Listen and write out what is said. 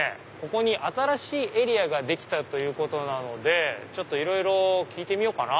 ここに新しいエリアができたということでいろいろ聞いてみようかな。